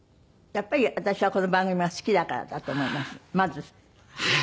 やっぱり私はこの番組が好きだからだと思います